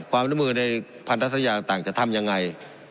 ความน้ำมือในพันธุ์ทัศนิยาต่างจะทำยังไง